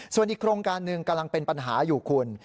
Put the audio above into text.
ส่วนอีกโครงการหนึ่งกำลังเป็นปัญหาอยู่คุณ